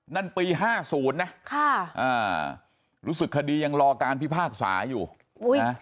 นั่นปีห้าศูนย์นะค่ะอ่ารู้สึกคดียังรอการพิพากษาอยู่อุ้ยนะ